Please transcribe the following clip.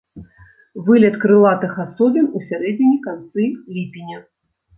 Вылет крылатых асобін у сярэдзіне-канцы ліпеня.